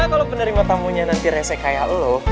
soalnya kalau penerima tamunya nanti rese kayak lo